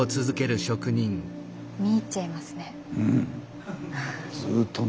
見入っちゃいますね。